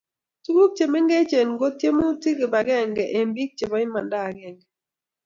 tuguk che mengechen ko tyemutikab kibagenge eng' biik chebo imanda agenge